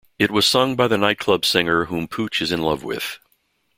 It was sung by the night club singer whom Pooch is in love with.